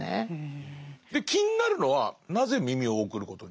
で気になるのはなぜ耳を送ることに？